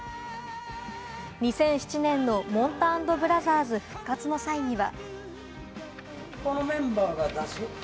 ２００７年のもんた＆ブラザーズ復活の際には。